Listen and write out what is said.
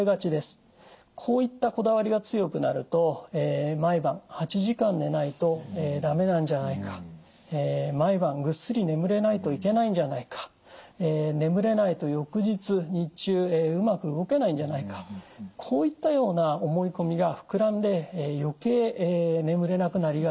こういったこだわりが強くなると毎晩８時間寝ないと駄目なんじゃないか毎晩ぐっすり眠れないといけないんじゃないか眠れないと翌日日中うまく動けないんじゃないかこういったような思い込みが膨らんで余計眠れなくなりがちなんです。